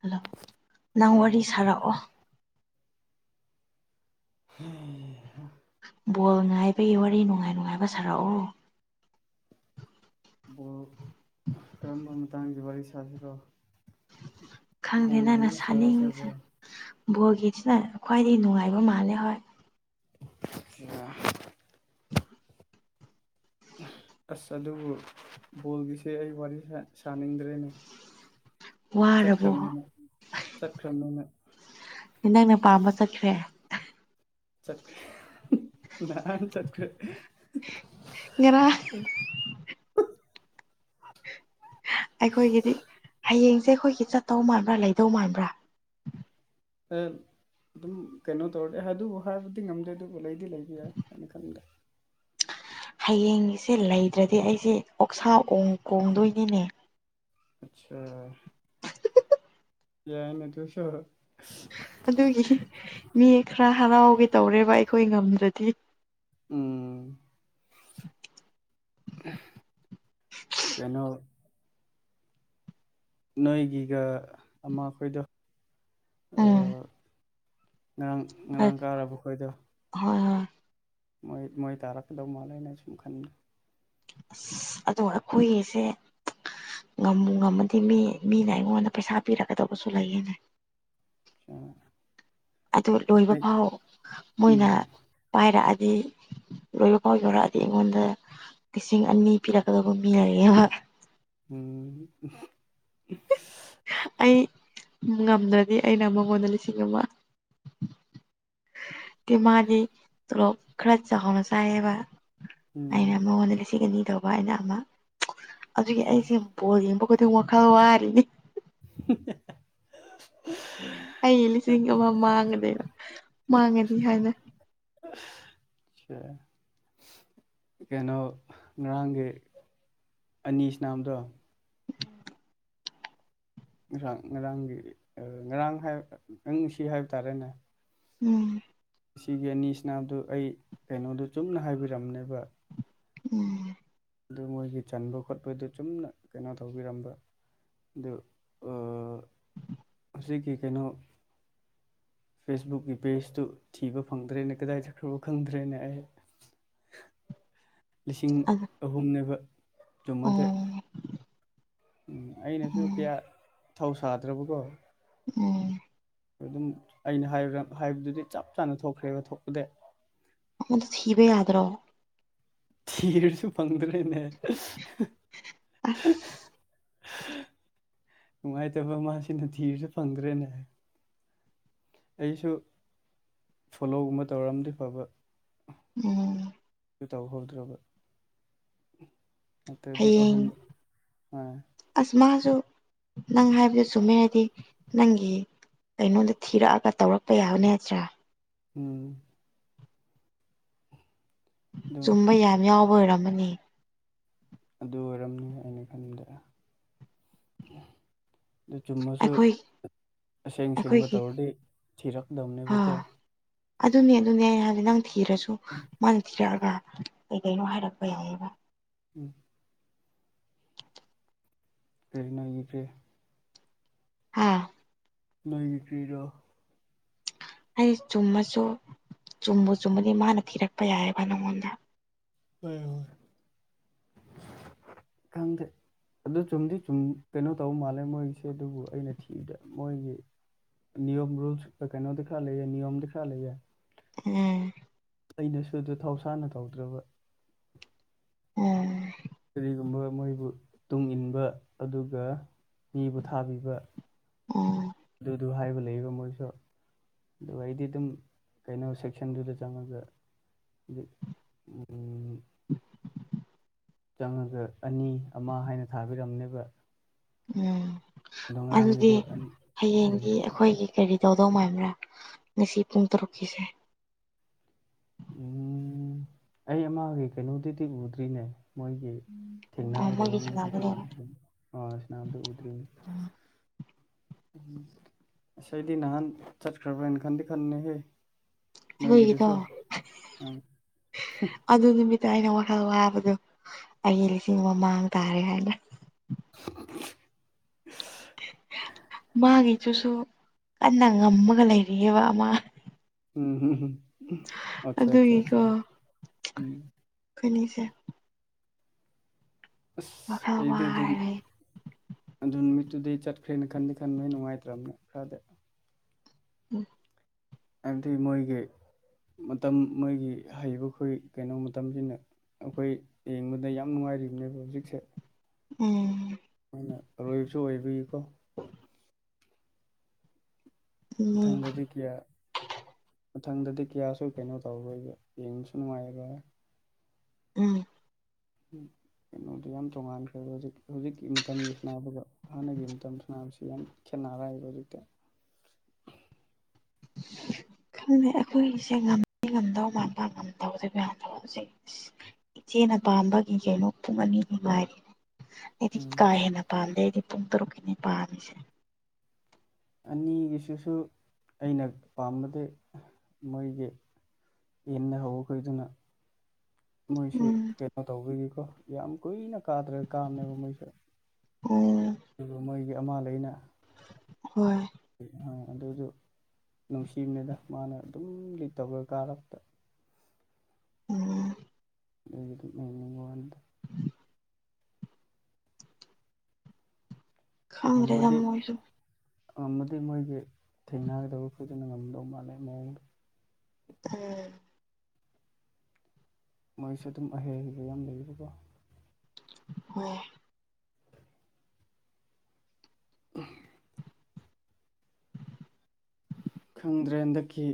hello ꯅꯪ ꯋꯥꯔꯤ ꯇꯥꯕ꯭ꯔꯣ ꯁꯥꯔꯛꯑꯣ ꯎꯝ ꯕꯣꯜ ꯉꯥꯏꯕꯒꯤ ꯋꯥꯔꯤ ꯅꯨꯡꯉꯥꯏ ꯅꯨꯡꯉꯥꯏꯕ ꯁꯥꯔꯛꯎ ꯕꫭ ꯀꯔꯝꯕ ꯃꯇꯥꯡꯒꯤ ꯋꯥꯔꯤ ꯁꯥꯁꯤꯔꯣ ꯈꯪꯗꯦ ꯕꯣꯜꯒꯤ ꯅꯪꯅ ꯑꯣꯏꯅ ꯁꯥꯔꯁꯦ ꯁꯥꯅꯤꯡꯉꯤꯁꯦ ꯕ꯭ꯔꯣ ꯕꯣꯔꯒꯤꯦꯁꯤꯅ ꯈ꯭ꯋꯥꯏꯗꯒꯤꯩ ꯅꯨꯡꯉꯥꯏꯕ ꯃꯥꯜꯂꯦ ꯍꯣꯏ ꯌꯥ [unintelligible] ꯑꯁ ꯑꯗꯨꯕꯨ ꯕꯣꯜꯒꯤꯁꯦ ꯑꯩ ꯋꯥꯔꯤ ꯁꯥꯅꯤꯡꯗ꯭ꯔꯦꯅꯦ ꯋꯥꯔꯕꯣ ꯆꯠꯈꯔꯅ ꯆꯠꯈꯔꯅ ꯅꯪꯅ ꯄꯥꯝꯕ ꯆꯠꯈ꯭ꯔꯦ ꯆꯠꯀ ꯍꯥꯟ ꯆꯠꯀꯔꯤ ꯌꯦꯔ ꯎꯝ ꯑꯩꯈꯣꯏꯒꯤꯗꯤ ꯍꯌꯦꯡꯁꯦ ꯑꯩꯈꯣꯏꯒꯤ ꯆꯠꯇꯧ ꯃꯥꯟꯕ꯭ꯔꯥ ꯂꯩꯗꯧ ꯃꯥꯟꯕ꯭ꯔꯥ ꯑꯗꯨꯝ ꯀꯩꯅꯣ ꯇꯧꯔꯗꯤ ꯑꯗꯨꯕꯨ ꯍꯥꯏꯕꯨꯗꯤ ꯉꯝꯗꯦ ꯑꯗꯨꯕꯨ ꯂꯩꯗꯤ ꯂꯩꯕ ꯌꯥꯏ ꯀꯩꯅ ꯈꯪꯗꯦ ꯍꯌꯦꯡꯁꯦ ꯂꯩꯗ꯭ꯔꯗꯤ ꯑꯩꯁꯦ ꯑꯣꯛꯁꯥ ꯑꯣꯡ ꯀꯣꯡꯗꯣꯏꯅꯤꯅꯦ ꯑꯠꯆꯥ ꯌꯥꯏꯅꯦ ꯑꯗꯨꯁꯨ ꯑꯗꯨꯒꯤ ꯃꯤ ꯈꯔ ꯍꯔꯥꯎꯒꯦ ꯇꯧꯔꯦꯕ ꯑꯩꯈꯣꯏ ꯉꯝꯗ꯭ꯔꯗꯤ ꯎꯝ ꯀꯩꯅꯣ ꯅꯣꯏꯒꯤꯒ ꯑꯃ ꯑꯩꯈꯣꯏꯗꯣ ꯎꯝ ꯉꯔꯥꯡ ꯉꯔꯥꯡ ꯀꯥꯔꯕ ꯑꯩꯈꯣꯏꯗꯣ ꯍꯣꯏ ꯍꯣꯏ ꯃꯣꯏ ꯃꯣꯏ ꯇꯔꯥꯐꯜꯗꯧ ꯃꯥ ꯂꯩꯅꯦ ꯁꯨꯝꯈꯅꯤ ꯑꯁ ꯑꯗꯣ ꯑꯩꯈꯣꯏꯒꯤꯁꯦ ꯉꯝꯕꯨ ꯉꯝꯃꯗꯤ ꯃꯤ ꯃꯤꯅ ꯑꯩꯉꯣꯟꯗ ꯄꯩꯁꯥ ꯄꯤꯔꯛꯀꯗꯧꯕꯁꯨ ꯂꯩꯌꯦꯅꯦ ꯑꯣ ꯑꯗꯨ ꯂꯣꯏꯕ ꯐꯥꯎ ꯃꯣꯏꯅ ꯎꯝ ꯄꯥꯏꯔꯛꯑꯗꯤ ꯂꯣꯏꯕ ꯐꯥꯎ ꯌꯧꯔꯛꯑꯗꯤ ꯑꯩꯉꯣꯟꯗ ꯂꯤꯁꯤꯡ ꯑꯅꯤ ꯄꯤꯔꯛꯀꯗꯕ ꯃꯤ ꯂꯩꯌꯦꯕ ꯎꯝ ꯑꯩ ꯉꯝꯗ꯭ꯔꯗꯤ ꯑꯩꯅ ꯃꯉꯣꯟꯗ ꯂꯤꯁꯤꯡ ꯑꯃ ꯃꯥꯗꯤ ꯇꯣꯂꯣꯞ ꯈꯔ ꯆꯥꯎꯥꯎꯅ ꯆꯥꯏꯑꯕ ꯎꯝ ꯑꯩꯅ ꯃꯉꯣꯟꯗ ꯂꯤꯁꯤꯡ ꯑꯅꯤ ꯇꯧꯕ ꯑꯩꯅ ꯑꯃ ꯑꯗꯨꯒꯤ ꯑꯩꯁꯦ ꯕꯣꯜ ꯌꯦꯡꯕ ꯑꯩꯈꯣꯏꯗꯤ ꯋꯥꯈꯜ ꯋꯥꯔꯤꯅꯤ [unintelligible] ꯑꯩ ꯂꯤꯁꯤꯡ ꯑꯃ ꯃꯥꯡꯉꯅꯦꯅ ꯃꯥꯡꯉꯅꯤ ꯍꯥꯏꯅ ꯑ ꯀꯩꯅꯣ ꯉꯔꯥꯡꯒꯤ ꯑꯅꯤꯁꯤꯅꯝꯗꯣ ꯎꯝ ꯉꯔꯥꯡ ꯉꯔꯥꯡꯒꯤ ꯉꯔꯥꯡ ꯍꯥꯏ ꯅꯪꯁꯤ ꯍꯥꯏꯕ ꯇꯥꯔꯦꯅꯦ ꯎꯝ ꯁꯤꯒꯤ ꯑꯅꯤꯁꯤꯅꯥꯗꯨ ꯑꯩ ꯀꯩꯅꯣꯗꯨ ꯆꯨꯝꯅ ꯍꯥꯏꯕꯤꯔꯝꯅꯦꯕ ꯎꯝ ꯑꯗꯨ ꯃꯣꯏꯒꯤ ꯆꯟꯕ ꯈꯣꯠꯄꯗꯨ ꯆꯨꯝꯅ ꯀꯩꯅꯣ ꯇꯧꯕꯤꯔꯝꯕ ꯑ ꯑꯁꯤꯒꯤ ꯀꯩꯅꯣ ꯐꯦꯁꯕꯨꯛꯀꯤ ꯄꯦꯖꯇꯨ ꯊꯤꯕ ꯐꯪꯗ꯭ꯔꯦꯅ ꯀꯗꯥꯏ ꯆꯠꯈ꯭ꯔꯕꯣ ꯈꯪꯗ꯭ꯔꯦꯅ ꯑꯩ ꯂꯤꯁꯤꯡ ꯑꯗꯨ ꯑꯍꯨꯝꯅꯦꯕ ꯆꯨꯝꯃꯗꯤ ꯑꯣ ꯎꯝ ꯑꯩꯅꯁꯨ ꯎꯝ ꯀꯌꯥ ꯊꯧ ꯁꯥꯗ꯭ꯔꯕꯀꯣ ꯎꯝ ꯑꯗꯨꯝ ꯑꯩꯅ ꯍꯥꯏꯕ ꯍꯥꯏꯕꯗꯨꯗꯤ ꯆꯞ ꯆꯥꯅ ꯊꯣꯛꯈ꯭ꯔꯦꯕ ꯊꯣꯛꯄꯗ ꯃꯗ ꯊꯕ ꯌꯥꯗ꯭ꯔꯣ ꯊꯤꯔꯁꯨ ꯐꯪꯗ꯭ꯔꯦꯅꯦ ꯑꯁ ꯅꯨꯡꯉꯥꯏꯇꯕ ꯃꯥꯁꯤꯅ ꯊꯤꯕꯁꯨ ꯐꯪꯗ꯭ꯔꯦꯅꯦ ꯍꯥꯏ ꯑꯩꯁꯨ ꯐꯣꯂꯣꯒꯨꯝꯕ ꯇꯧꯔꯑꯝꯗꯤ ꯐꯕ ꯎꯝ ꯇꯧꯍꯧꯗ꯭ꯔꯕ ꯅꯠꯇ꯭ꯔꯗꯤ ꯑꯍꯨꯝ ꯍꯌꯦꯡ ꯑ ꯑꯁ ꯃꯥꯁꯨ ꯅꯪ ꯍꯥꯏꯕꯗꯨ ꯆꯨꯝꯃꯦꯔꯗꯤ ꯅꯪꯒꯤ ꯀꯩꯅꯣꯗ ꯊꯤꯔꯛꯑꯒ ꯇꯧꯔꯛꯄ ꯌꯥꯕꯅꯦ ꯅꯠꯇ꯭ꯔꯥ ꯎꯝ ꯑꯗꯨ ꯆꯨꯝꯕ ꯌꯥꯝ ꯌꯥꯎꯕ ꯑꯣꯏꯔꯝꯃꯅꯤ ꯑꯗꯨ ꯑꯣꯏꯔꯝꯅꯤ ꯑꯩꯅ ꯈꯟꯗꯔꯦ ꯑꯗꯨ ꯆꯨꯝꯃꯁꯨ ꯑꯩꯈꯣꯏ ꯑꯁꯦꯡ ꯁꯦꯡꯕ ꯑꯩꯈꯣꯏꯒꯤ ꯇꯧꯔꯗꯤ ꯊꯤꯔꯛꯗꯕꯅꯦꯕꯀꯣ ꯑꯥ ꯑꯗꯨꯅꯦ ꯑꯗꯨꯅꯦ ꯑꯩ ꯍꯥꯏꯗꯤꯦ ꯅꯪ ꯊꯤꯔꯁꯨ ꯎꯝ ꯃꯅꯥ ꯊꯤꯔꯛꯑꯒ ꯀꯩ ꯀꯩꯅꯣ ꯍꯥꯏꯔꯛꯄ ꯌꯥꯏꯕ ꯎꯝ ꯑꯦꯅꯏꯈ꯭ꯔꯦ ꯍꯥꯥ ꯂꯩꯇ꯭ꯔꯤꯔꯣ ꯑꯩ ꯆꯨꯝꯃꯁꯨ ꯆꯨꯝꯕꯨ ꯆꯨꯝꯃꯗꯤ ꯃꯥꯅ ꯊꯤꯔꯛꯄ ꯌꯥꯏꯑꯕ ꯅꯪꯉꯣꯟꯗ ꯍ ꯀꯪꯗ ꯑꯗꯨ ꯆꯨꯝꯗꯤ ꯆꯨꯝ ꯀꯩꯅꯣ ꯇꯧꯕ ꯃꯥꯜꯂꯦ ꯃꯣꯏꯒꯤꯁꯦ ꯑꯗꯨꯕꯨ ꯑꯩꯅ ꯊꯤꯕꯗ ꯃꯣꯏꯒꯤ ꯅꯤꯌꯣꯝ ꯔꯨꯜꯁ ꯀꯩꯅꯣ ꯈꯔꯗꯤ ꯂꯩꯌꯦ ꯅꯤꯥꯌꯣꯝ ꯈꯔꯗꯤ ꯂꯩꯌꯦ ꯎꯝ ꯑꯩꯅꯁꯨꯗꯨ ꯊꯧꯁꯥꯅ ꯇꯧꯗ꯭ꯔꯕ ꯎꯝ ꯀꯔꯤꯒꯨꯝꯕ ꯃꯣꯏꯕꯨ ꯇꯨꯡ ꯏꯟꯕ ꯑꯗꯨꯒ ꯃꯤꯕꯨ ꯊꯥꯕꯤꯕ ꯎꯝ ꯑꯗꯨꯗꯨ ꯍꯥꯏꯕ ꯂ ꯂꯩꯕ ꯃꯣꯏꯁꯨ ꯑꯗꯨꯒ ꯑꯩꯗꯤ ꯑꯗꯨꯝ ꯀꯩꯅꯣ ꯁꯦꯛꯁꯟꯗꯨꯗ ꯆꯪꯉꯒ [unintelligible] [unintelligible] ꯆꯪꯉꯒ ꯑꯅꯤ ꯑꯃ ꯍꯥꯏꯅ ꯊꯥꯕꯤꯔꯝꯅꯦꯕ ꯎꯝ ꯑꯗꯣ ꯑꯗꯨꯗꯤ ꯉꯔꯥꯡꯒꯤꯗꯨ ꯑꯅꯤ ꯎꯝ ꯍꯌꯦꯡꯗꯤ ꯑꯩꯈꯣꯏꯒꯤ ꯀꯔꯤ ꯇꯧꯗꯧ ꯃꯥꯟꯕ꯭ꯔꯥ ꯉꯁꯤ ꯄꯨꯡ ꯇꯔꯨꯛꯀꯤꯁꯦ ꯎꯝ ꯑꯩ ꯑꯃꯒꯤ ꯀꯩꯅꯣꯗꯨꯗꯤ ꯎꯗ꯭ꯔꯤꯅꯦ ꯃꯣꯏꯒꯤ ꯑꯣ ꯊꯦꯡꯅꯒꯗꯕ ꯃꯣꯏꯒꯤ ꯃꯤꯗꯨꯗꯤ ꯁꯥꯟꯅꯕꯗꯣ ꯎꯗꯔ꯭ꯤ ꯑꯥ ꯏꯁꯅꯥꯝꯗ ꯎꯗ꯭ꯔꯤ ꯎꯝ ꯑꯁ ꯑꯩꯗꯤ ꯅꯍꯥꯟ ꯆꯠꯈ꯭ꯔꯕ꯭ꯔꯅ ꯈꯟꯗꯤ ꯈꯟꯕꯅꯦꯍꯦ ꯅꯣꯏꯒꯤꯗꯣ ꯅꯣꯏꯒꯤꯗꯨꯁꯨ ꯑꯥ ꯑꯗꯨ ꯅꯨꯃꯤꯠꯇ ꯑꯩꯅ ꯋꯥꯈꯜ ꯋꯥꯕꯗꯨꯣ ꯑꯩ ꯂꯤꯁꯤꯡ ꯑꯃ ꯃꯥꯡ ꯇꯥꯔꯦ ꯍꯥꯏꯅ [unintelligible] ꯃꯥꯒꯤꯗꯨꯁꯨ ꯀꯟꯅ ꯉꯝꯃꯒ ꯂꯩꯔꯤꯑꯕ ꯑꯃ ꯎꯝ ꯎꯝ ꯑꯆꯥ ꯑꯆꯥ ꯑꯗꯨꯒꯤꯀꯣ ꯑꯆꯥ ꯎꯝ ꯐꯅꯤꯁꯦ ꯑꯁ ꯋꯥꯈꯜ ꯑꯩꯗꯤ ꯑꯗꯨꯝ ꯋꯥꯔꯦ ꯑꯗꯨ ꯅꯨꯃꯤꯠꯇꯨꯗꯩꯩ ꯆꯠꯈ꯭ꯔꯦꯅ ꯈꯟꯗꯤ ꯈꯟꯕ ꯑꯩ ꯅꯨꯡꯉꯥꯏꯇ꯭ꯔꯕꯅꯦ ꯈꯔꯗꯤ ꯎꯝ ꯍꯥꯏꯕꯗꯤ ꯃꯣꯏꯒꯤ ꯃꯇꯝ ꯃꯣꯏꯒꯤ ꯍꯩꯕꯈꯣꯏ ꯀꯩꯅꯣ ꯃꯇꯝꯁꯤꯅ ꯑꯩꯈꯣꯏ ꯌꯦꯡꯕꯗ ꯌꯥꯝ ꯅꯨꯡꯉꯥꯏꯔꯤꯕꯅꯦꯕ ꯍꯧꯖꯤꯛꯁꯦ ꯎꯝ ꯑꯗꯨꯅ ꯑꯔꯣꯏꯕꯁꯨ ꯑꯣꯏꯕꯩꯀꯣ ꯎꯝ ꯃꯊꯪꯗꯗꯤ ꯀꯌꯥ ꯃꯊꯪꯗꯗꯤ ꯀꯌꯥꯁꯨ ꯀꯩꯅꯣ ꯇꯧꯔꯣꯏꯕ ꯌꯦꯡꯕꯁꯨ ꯅꯨꯡꯉꯥꯏꯕ ꯎꯝ ꯀꯩꯅꯣꯗꯣ ꯌꯥꯝ ꯇꯣꯡꯉꯥꯟꯈ꯭ꯔꯦꯕ ꯍꯧꯖꯤꯛ ꯍꯧꯖꯤꯛꯀꯤ ꯃꯇꯝꯒꯤ ꯁꯅꯥꯕꯒ ꯍꯥꯟꯅꯒꯤ ꯃꯇꯝ ꯁꯅꯕꯁꯦ ꯌꯥꯝ ꯈꯦꯠꯅꯔꯦꯕ ꯍꯧꯖꯤꯛꯗꯤ [unintelligible] ꯈꯪꯗꯦ ꯑꯩꯈꯣꯏꯒꯤꯁꯦ ꯉꯝꯗꯤ ꯉꯝꯗꯧ ꯃꯥꯟꯕ ꯉꯝꯗꯧꯕꯗꯤ ꯃꯥꯟꯗꯕ ꯍꯧꯖꯤ ꯏꯆꯦꯅ ꯄꯥꯝꯕꯒꯤ ꯀꯩꯅꯣ ꯄꯨꯡ ꯑꯅꯤꯐꯥꯎ ꯉꯥꯏꯔꯤ ꯑꯩꯗꯤ ꯎꯝ ꯀꯥ ꯍꯦꯟꯅ ꯄꯥꯝꯗꯦ ꯑꯩꯗꯤ ꯄꯨꯡ ꯇꯔꯨꯛꯀꯤꯅꯤ ꯄꯥꯝꯃꯤꯁꯦ ꯑꯅꯤꯒꯤꯁꯤꯁꯨ ꯑꯩꯅ ꯄꯥꯝꯕꯗꯤ ꯃꯣꯏꯒꯤ ꯏꯟꯅ ꯍꯧꯈꯣꯏꯗꯨꯅ ꯃꯣꯏꯁꯤ ꯎꯝ ꯀꯩꯅꯣ ꯇꯧꯕꯒꯤꯀꯣ ꯌꯥꯝ ꯀꯨꯏꯅ ꯀꯥꯗ꯭ꯔ ꯀꯥꯅꯅꯦꯕ ꯃꯣꯏꯁꯦ ꯑꯣ ꯑꯗꯨꯒ ꯃꯣꯏꯒꯤ ꯑꯃꯥ ꯂꯩꯅ ꯍꯣꯏ ꯑꯗꯨꯖꯤ ꯅꯨꯡꯁꯤꯕꯅꯦꯗ ꯃꯥꯅ ꯑꯗꯨꯝ ꯂꯤꯠ ꯇꯧꯔ ꯀꯥꯔꯛꯄ ꯎꯝ ꯑ ꯃꯅꯤꯡ ꯋꯥꯅꯤꯗ ꯎꯝ ꯈꯪꯗ꯭ꯔꯦꯗ ꯉꯝꯕꯗꯤ ꯃꯣꯏꯁꯨ ꯉꯝꯕꯗꯤ ꯃꯣꯏꯒꯤ ꯊꯦꯡꯅꯒꯗꯧꯕ ꯈꯣꯏꯗꯨꯅ ꯉꯝꯗꯧ ꯃꯥꯜꯂꯦ ꯃꯑꯣꯡꯗꯣ ꯎꯝ ꯃꯣꯏꯁꯨ ꯑꯗꯨꯝ ꯑꯍꯩ ꯑꯍꯩꯕ ꯌꯥꯝ ꯂꯩꯕꯀꯣ ꯍꯣꯏ ꯑꯍꯝ ꯈꯪꯗ꯭ꯔꯦ ꯍꯟꯗꯛꯀꯤ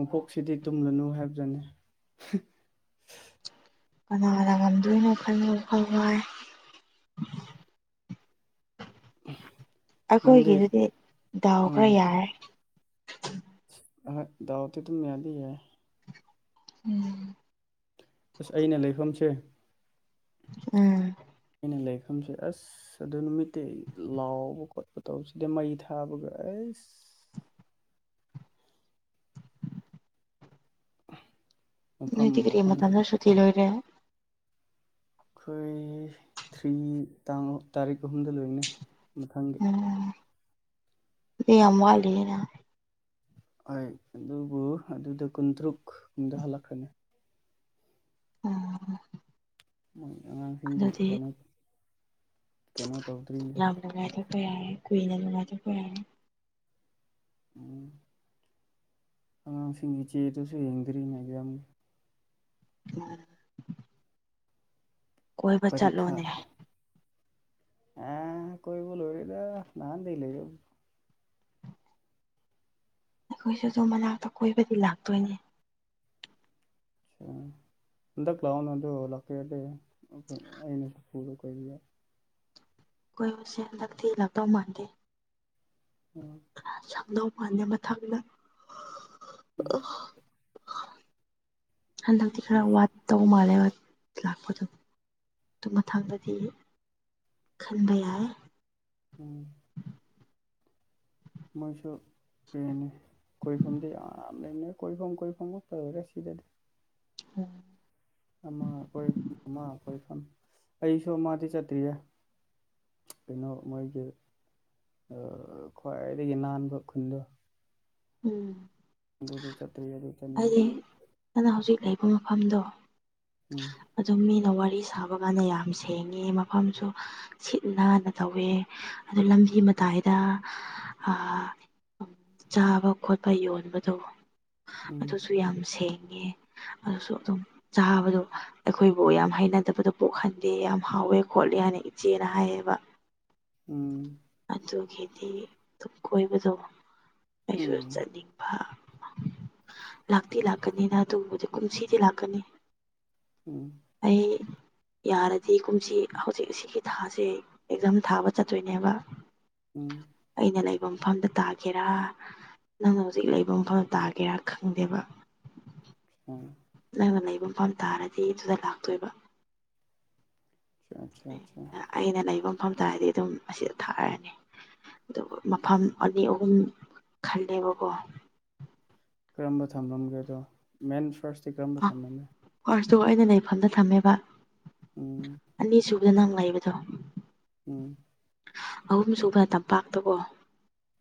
ꯃꯄꯣꯛꯁꯤꯗꯤ ꯇꯨꯝꯂꯅꯨ ꯍꯥꯏꯕꯗꯨꯅꯤ ꯀꯅꯥꯗ ꯉꯝꯗꯣꯏꯅꯣ ꯈꯟꯕꯗ ꯋꯥꯈꯜ ꯋꯥꯏ [unintelligible] ꯅꯪꯗꯤ ꯑꯩꯈꯣꯏꯒꯤꯗꯨꯗꯤ ꯗꯥꯎ ꯈꯔ ꯌꯥꯔꯦ ꯑ ꯗꯥꯎꯗꯤ ꯑꯗꯨꯝ ꯌꯥꯗꯤ ꯌꯥꯏ ꯎꯝ ꯑꯁ ꯑꯩꯅ ꯂꯩꯐꯝꯁꯦ ꯎꯝ ꯑꯩꯅ ꯂꯩꯐꯝꯁꯦ ꯑꯁ ꯑꯁ ꯑꯗꯨ ꯅꯨꯃꯤꯠꯇ ꯂꯥꯎꯕ ꯈꯣꯠꯄ ꯇꯧꯕꯁꯤꯗ ꯃꯩ ꯊꯥꯕꯒ ꯑꯁ ꯃꯐꯝ ꯅꯣꯏꯗꯤ ꯀꯔꯤ ꯃꯐꯝꯗ ꯃꯇꯝꯗ ꯁꯨꯇꯤ ꯂꯣꯏꯔꯦ ꯑꯩꯈꯣꯏ ꯊ꯭ꯔꯤ ꯇꯥꯡ ꯇꯥꯔꯤꯛ ꯑꯍꯨꯝꯗ ꯂꯣꯏꯅ ꯃꯊꯪ ꯌꯥꯝ ꯃꯂꯤꯅ ꯍꯣꯏ ꯑꯗꯨꯕꯨ ꯑꯗꯨꯗ ꯀꯨꯟꯇꯔꯨꯛꯗ ꯍꯜꯂꯛꯈ꯭ꯔꯅꯤ ꯎꯝ [inaudible] [inaudible] ꯃꯣꯏ ꯑꯉꯥꯡꯁꯤꯡꯒꯤ ꯑꯗꯨꯗꯤ ꯀꯩꯅꯣ ꯀꯩꯅꯣ ꯇꯧꯗ꯭ꯔꯤ ꯌꯥꯝ ꯅꯨꯡꯉꯥꯏꯊꯣꯛꯄ ꯌꯥꯔꯦ ꯀꯨꯏꯅ ꯅꯨꯡꯉꯥꯏꯊꯣꯛꯄ ꯌꯥꯔꯦ ꯎꯝ ꯑꯉꯥꯡꯁꯤꯡꯒꯤ ꯆꯦꯗꯨꯁꯨ ꯌꯦꯡꯗ꯭ꯔꯤꯅꯦ ꯌꯥꯝ ꯎꯝ ꯀꯣꯏꯕ ꯆꯠꯂꯣꯅꯦ ꯑ ꯀꯣꯏꯕꯨꯣꯂꯣꯔꯗꯅꯥꯍꯥꯟꯗ ꯂꯩ ꯑꯩꯈꯣꯏꯁꯨ ꯑꯗꯨꯝ ꯃꯅꯥꯛꯇ ꯀꯣꯏꯕꯗꯤ ꯂꯥꯛꯇꯣꯏꯅꯦ ꯍꯟꯗ ꯀ꯭ꯂ ꯂꯥꯎꯅ ꯑꯗꯨ ꯂꯥꯛ ꯀꯩꯦ ꯑꯩꯅ ꯐ ꯀ ꯀꯈꯣꯏꯕꯨꯁꯦ ꯍꯟꯗꯛꯇꯤꯂꯥꯛꯇꯧ ꯃꯥꯟꯗꯦ ꯎꯝ ꯈ ꯁꯪꯗꯧ ꯃꯥꯟꯅꯦꯦ ꯃꯊꯪꯅ ꯍꯟꯗꯗꯤ ꯈꯔ ꯎꯝ ꯋꯥꯠ ꯇꯧ ꯃꯥꯜꯂꯦꯕ ꯂꯥꯛꯄꯗꯣ ꯑꯗꯨ ꯃꯊꯪꯗꯗꯤ ꯈꯟꯗꯦ ꯎꯝ [inaudible] ꯃꯣꯏꯁꯨ ꯐꯅꯤ ꯀꯣꯏꯐꯝꯗꯤ ꯌꯥꯝ ꯂꯩꯅꯦ ꯀꯣꯏꯐꯝ ꯀꯣꯏꯐꯝ ꯉꯛꯄ ꯂꯣꯏꯔꯦ ꯁꯤꯗꯗꯤ ꯍ ꯑꯃ ꯑꯩꯈꯣꯏ ꯑꯃ ꯑꯩꯈꯣꯏꯐꯝ ꯑꯩꯁꯨ ꯃꯥꯗꯤ ꯆꯠꯇ꯭ꯔꯤꯌꯦ ꯀꯩꯅꯣ ꯃꯣꯏꯒꯤ ꯈ꯭ꯋꯥꯏꯗꯒꯤ ꯅꯥꯟꯕ ꯈꯨꯟꯗꯣ ꯎꯝ ꯑꯗꯨꯗ ꯆꯠꯇ꯭ꯔꯤ ꯑꯗꯨ ꯆꯠꯅꯤꯡꯉꯤ ꯉꯅꯥ ꯍꯧꯖꯤꯛ ꯂꯩꯕ ꯃꯐꯝꯗꯣ ꯎꯝ ꯑꯗꯨꯝ ꯃꯤꯅ ꯋꯥꯔꯤ ꯁꯥꯕ ꯀꯥꯟꯗ ꯌꯥꯝ ꯁꯦꯡꯉꯤ ꯃꯐꯝꯁꯨ ꯁꯤꯠ ꯅꯥꯟꯅ ꯇꯧꯋꯦ ꯑꯗꯨ ꯂꯝꯕꯤ ꯃꯇꯥꯏꯗ ꯑꯥ ꯆꯥꯕ ꯈꯣꯠꯄ ꯌꯣꯟꯕꯗꯣ ꯎꯝ ꯑꯗꯨꯁꯨ ꯌꯥꯝ ꯁꯦꯡꯉꯦ ꯑꯗꯨꯁꯨ ꯑꯗꯨꯝ ꯆꯥꯕꯗꯣ ꯑꯩꯈꯣꯏꯕꯨ ꯌꯥꯝ ꯍꯩꯅꯗꯕꯗ ꯄꯣꯛꯍꯟꯗꯦ ꯌꯥꯝ ꯍꯥꯎꯋꯦ ꯈꯣꯠꯂꯦ ꯍꯥꯏꯅ ꯏꯆꯦꯅ ꯍꯥꯏꯌꯦꯕ ꯎꯝ ꯑꯗꯨꯒꯤꯗꯤ ꯑꯗꯨꯝ ꯀꯣꯏꯕꯗꯣ ꯑꯩꯁꯨ ꯎꯝ ꯆꯠꯅꯤꯡꯉ [unintelligible] ꯂꯥꯛꯇꯤ ꯂꯥꯛꯀꯅꯤꯅ ꯑꯗꯨꯒꯕꯗꯤ ꯀꯨꯝꯁꯤꯗꯤ ꯂꯥꯛꯀꯅꯤ ꯎꯝ ꯑꯩ ꯌꯥꯔꯗꯤ ꯀꯨꯝꯁꯤ ꯍꯧꯖꯤꯛ ꯁꯤꯒꯤ ꯊꯥꯁꯦ ꯑꯦꯛꯖꯝ ꯊꯥꯕ ꯆꯠꯇꯣꯏꯅꯦꯕ ꯎꯝ ꯑꯩꯅ ꯂꯩꯕ ꯃꯐꯝꯗ ꯇꯥꯒꯦꯔꯥ ꯅꯪꯅ ꯍꯧꯖꯤꯛ ꯂꯩꯕ ꯃꯐꯝꯗ ꯇꯥꯒꯦꯔꯥ ꯈꯪꯗꯦꯕ ꯎꯝ ꯅꯪꯅ ꯂꯩꯕ ꯃꯐꯝ ꯇꯥꯔꯗꯤ ꯑꯗꯨꯗ ꯂꯥꯛꯇꯣꯏꯕ ꯑꯆꯥ ꯑꯆꯥ ꯆꯥ ꯑꯩꯅ ꯂꯩꯕ ꯃꯐꯝ ꯇꯥꯔꯗꯤ ꯑꯗꯨꯝ ꯑꯁꯤꯗ ꯊꯥꯔꯅꯤ ꯑꯗꯨꯒ ꯃꯐꯝ ꯑꯅꯤ ꯑꯍꯨꯝ ꯈꯜꯂꯦꯕꯀꯣ ꯀꯔꯝꯕ ꯊꯝꯃꯝꯒꯦꯗꯣ ꯃꯦꯟ ꯐꯥꯔꯁꯇꯤ ꯀꯔꯝꯕ ꯊꯝꯂꯝꯃꯦ ꯐꯔꯁꯇꯣ ꯑꯩꯅ ꯂꯩꯐꯝꯗ ꯊꯝꯃꯦꯕ ꯎꯝ ꯑꯅꯤꯁꯨꯕꯗ ꯅꯪ ꯂꯩꯕꯗꯣ ꯎꯝ ꯑꯍꯨꯝ ꯁꯨꯕ ꯇꯝꯄꯥꯛꯇꯕꯣ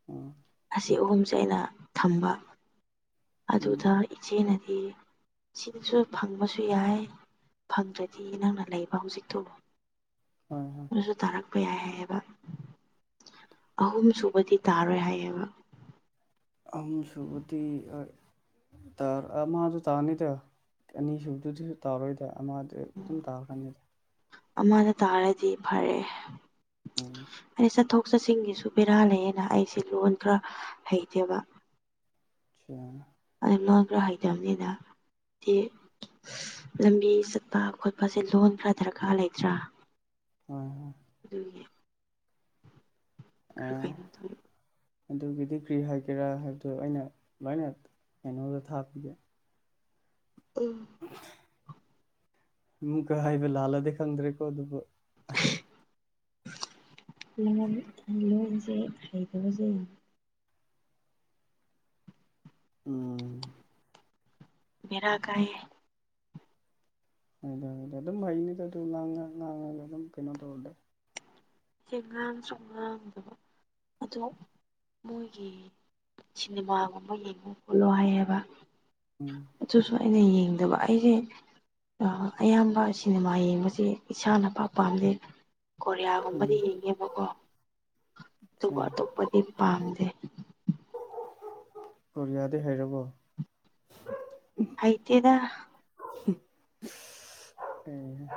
ꯑꯣ [inaudible] ꯑꯁꯤ ꯑꯍꯨꯝꯁꯦ ꯑꯩꯅ ꯊꯝꯕ ꯎꯝ ꯑꯗꯨꯗ ꯏꯆꯦꯅꯗꯤ ꯁꯤꯗꯁꯨ ꯐꯪꯕꯁꯨ ꯌꯥꯏ ꯐꯪꯗ꯭ꯔꯗꯤ ꯅꯪꯅ ꯂꯩꯕ ꯍꯧꯖꯤꯛꯇꯨ ꯍꯣꯏ ꯍꯣꯏ ꯇꯥꯔꯛꯄ ꯌꯥꯏ ꯍꯥꯏꯑꯕ ꯑꯍꯨꯝ ꯁꯨꯕꯗꯤ ꯇꯥꯔꯣꯏ ꯍꯥꯏꯑꯕ ꯑꯍꯨꯝ ꯁꯨꯕꯗꯤ ꯑꯥ ꯇꯥ ꯑꯃꯥꯗꯨ ꯇꯥꯅꯤꯗ ꯑꯅꯤꯁꯨꯨꯕꯗꯨꯗꯤꯁꯨ ꯇꯥꯔꯣꯏꯗ ꯑꯃꯗ ꯑꯗꯨꯝ ꯇꯥꯔꯀꯅꯤꯗ ꯑꯃꯗ ꯇꯥꯔꯗꯤ ꯐꯔꯦ ꯎꯝ ꯑꯩ ꯆꯠꯊꯣꯛ ꯆꯠꯁꯤꯒꯤꯁꯨ ꯕꯦꯔꯥ ꯂꯩꯑꯅ ꯑꯩꯁꯦ ꯂꯣꯟ ꯈꯔ ꯍꯩꯇꯦꯕ [unintelligible] ꯑꯗꯨ ꯂꯣꯟꯁꯨ ꯍꯩꯇꯝꯅꯤꯅ ꯇꯤ ꯂꯝꯕꯤ ꯆꯠꯄ ꯈꯣꯠꯄꯁꯦ ꯂꯣꯟ ꯈꯔ ꯗꯔꯀꯥꯔ ꯂꯩꯇ꯭ꯔꯥ ꯍꯣꯏ ꯍꯣꯏ ꯑꯗꯨꯒꯤ ꯈꯔ ꯑꯦ ꯀꯩꯅꯣ ꯇꯧꯋꯦ ꯑꯗꯨꯒꯤꯗꯤ ꯀꯔꯤ ꯍꯥꯏꯒꯦꯔꯥ ꯍꯥꯏꯕꯗꯣ ꯑꯩꯅ ꯂꯣꯏꯅ ꯀꯩꯅꯣꯗ ꯊꯥꯕꯤꯒꯦ ꯎꯝ ꯎꯝ ꯀ ꯍꯥꯏꯕ ꯂꯥꯜꯂꯗꯤ ꯈꯪꯗ꯭ꯔꯦꯀꯣ ꯑꯗꯨꯕꯨ ꯂꯣꯟ ꯂꯣꯟꯁꯦ ꯍꯩꯇꯕꯁꯦ ꯎꯝ ꯕꯦꯔꯥ ꯀꯥꯏ ꯑꯥ ꯑꯗꯨꯝ ꯍꯩꯅꯤꯗ ꯑꯗꯨꯝ ꯉꯥꯡꯉ ꯉꯥꯉꯒ ꯑꯗꯨꯝ ꯀꯩꯅꯣ ꯇꯧ ꯍꯦ ꯉꯥꯡꯁꯨ ꯉꯥꯡꯗꯕ ꯑꯗꯣ ꯃꯣꯏꯒꯤ ꯁꯤꯅꯦꯃꯥꯒꯨꯝꯕ ꯌꯦꯡꯉꯣ ꯈꯣꯠꯂꯣ ꯍꯥꯏꯌꯦꯕ ꯎꯝ ꯑꯗꯨꯁꯨ ꯑꯩꯅ ꯌꯦꯡꯗꯕ ꯑꯩꯁꯦ ꯑꯌꯥꯝꯕ ꯁꯤꯅꯦꯃꯥ ꯌꯦꯡꯕꯁꯦ ꯏꯁꯥꯅ ꯄꯥꯛ ꯄꯥꯝꯗꯦ ꯀꯣ ꯑꯃ ꯎꯝ ꯌꯦꯡꯉꯦꯕꯀꯣ ꯑꯗꯨꯕꯨ ꯑꯇꯣꯞꯄꯗꯤ ꯄꯥꯝꯗꯦ ꯀꯔꯤꯌꯥꯗꯤ ꯍꯦꯔꯕꯣ ꯍꯩꯇꯦꯗ ꯎꯝ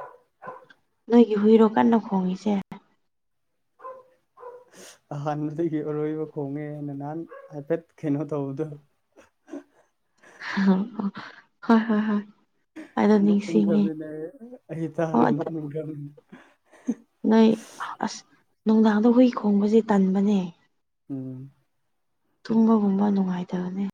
ꯅꯣꯏꯒꯤ ꯍꯨꯏꯔꯣ ꯀꯟꯅ ꯈꯣꯡꯉꯤꯁꯦ [unintelligible] ꯑꯍꯥꯟꯕꯗꯒꯤ ꯑꯔꯣꯏꯕ ꯈꯣꯡꯉꯦꯅ ꯅꯍꯥꯟ ꯍꯥꯏꯐꯦꯠ ꯀꯩꯅꯣ ꯇꯧꯕꯗꯣ ꯍꯣꯏ ꯍꯣꯏ ꯍꯣꯏ ꯑꯗꯣ ꯅꯣꯛꯅꯤꯡ ꯅꯤꯡꯁꯤꯡꯉꯦ ꯈ꯭ꯔꯝꯅꯤꯅꯦ ꯑꯩ ꯇꯥꯔ ꯍꯣꯏ ꯅꯣꯛꯅꯤꯡ ꯈ꯭ꯔꯕꯅꯤ ꯅꯣꯏ ꯑꯁ ꯅꯨꯡꯗꯥꯡꯗ ꯍꯨꯏ ꯈꯣꯡꯕꯁꯦ ꯇꯟꯕꯅꯦ ꯎꯝ ꯇꯨꯝꯕꯒꯨꯝꯕ ꯅꯨꯡꯉꯥꯏꯇꯕꯅꯤ